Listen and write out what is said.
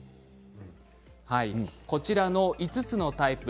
こちらの５つのタイプ